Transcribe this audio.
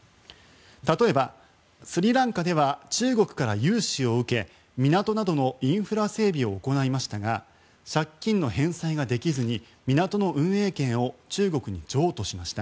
例えば、スリランカでは中国から融資を受け港などのインフラ整備を行いましたが借金の返済ができずに港の運営権を中国に譲渡しました。